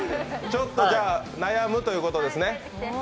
ちょっと悩むということですね。